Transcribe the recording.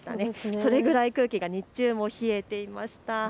それくらい空気が日中、冷えていました。